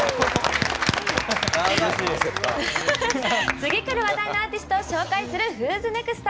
次くる話題のアーティストを紹介する「ＷＨＯ’ＳＮＥＸＴ！」。